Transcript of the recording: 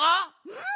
うん！